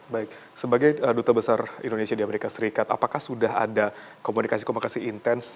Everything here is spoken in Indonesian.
baik sebagai duta besar indonesia di amerika serikat apakah sudah ada komunikasi komunikasi intens